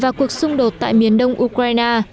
và cuộc xung đột tại miền đông ukraine